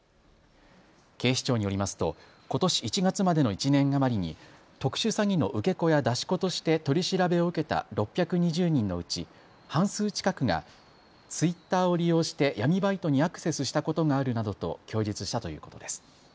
警視庁によりますとことし１月までの１年余りに特殊詐欺の受け子や出し子として取り調べを受けた６２０人のうち半数近くがツイッターを利用して闇バイトにアクセスしたことがあるなどと供述したということです。